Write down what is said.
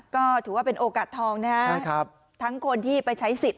ก็ถือว่าเป็นโอกาสทองนะครับทั้งคนที่ไปใช้สิทธิ์